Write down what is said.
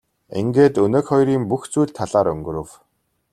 Ингээд өнөөх хоёрын бүх зүйл талаар өнгөрөв.